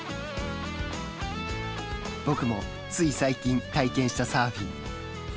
僕も、つい最近体験したサーフィン。